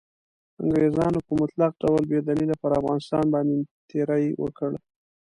انګریزانو په مطلق ډول بې دلیله پر افغانستان باندې تیری وکړ.